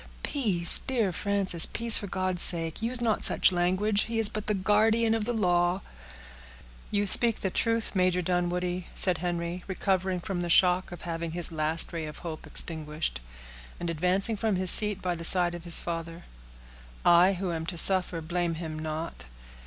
"Peace, dear Frances; peace, for God's sake; use not such language. He is but the guardian of the law." "You speak the truth, Major Dunwoodie," said Henry, recovering from the shock of having his last ray of hope extinguished, and advancing from his seat by the side of his father. "I, who am to suffer, blame him not.